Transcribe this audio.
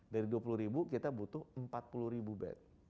dari dua puluh ribu kita butuh empat puluh ribu bed